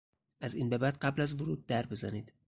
از این به بعد قبل از ورود در بزنید!